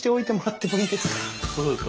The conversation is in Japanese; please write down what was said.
そうですか。